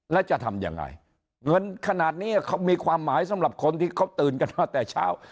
แล้วจะทำยังไงเงินขนาดนี้เขามีความหมายสำหรับคนที่เขาตื่นกันมาแต่เช้า